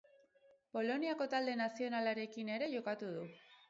Poloniako talde nazionalarekin ere jokatu du.